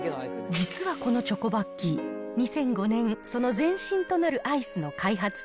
実はこのチョコバッキー、２００５年、その前身となるアイスの開発